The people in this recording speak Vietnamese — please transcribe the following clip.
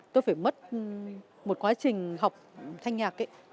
tôi phải mất một quá trình học thanh nhạc